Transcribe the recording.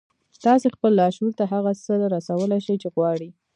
تاسې خپل لاشعور ته هغه څه رسولای شئ چې غواړئ